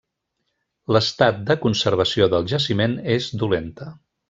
L'estat de conservació del jaciment és dolenta.